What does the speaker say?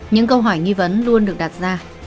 những câu hỏi nghi vấn luôn được đặt ra